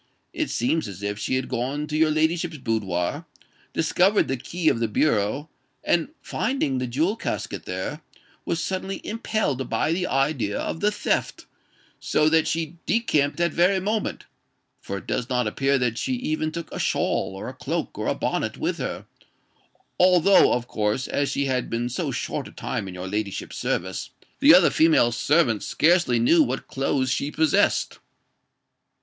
It seems as if she had gone to your ladyship's boudoir, discovered the key of the bureau, and finding the jewel casket there, was suddenly impelled by the idea of the theft; so that she decamped that very moment—for it does not appear that she even took a shawl, or a cloak, or a bonnet with her; although, of course, as she had been so short a time in your ladyship's service, the other female servants scarcely knew what clothes she possessed."